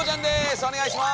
お願いいたします。